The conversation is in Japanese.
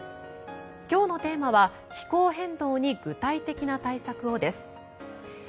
今日のテーマは「気候変動に具体的な対策を」です。